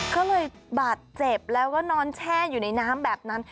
ก็เลยบาดเจ็บแล้วก็นอนแช่อยู่ในน้ำแบบนั้น